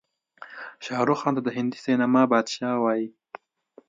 شاروخ خان ته د هندي سينما بادشاه وايې.